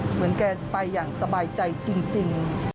เหมือนแกไปอย่างสบายใจจริง